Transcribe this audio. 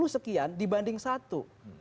dua puluh sekian dibanding satu